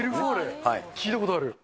聞いたことある。